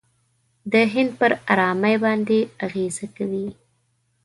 د هند پر آرامۍ باندې اغېزه کوي.